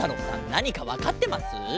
なにかわかってます？